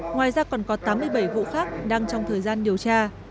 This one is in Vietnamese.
ngoài ra còn có tám mươi bảy vụ khác đang trong thời gian điều tra